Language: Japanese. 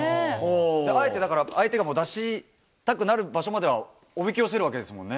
あえて相手が出したくなる場所までは、おびき寄せるわけですもんね。